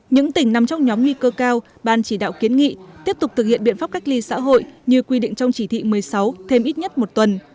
những tỉnh nằm trong nhóm nguy cơ cao ban chỉ đạo kiến nghị tiếp tục thực hiện biện pháp cách ly xã hội như quy định trong chỉ thị một mươi sáu thêm ít nhất một tuần